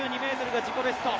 ２２ｍが自己ベスト。